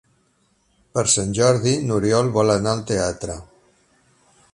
Per Sant Jordi n'Oriol vol anar al teatre.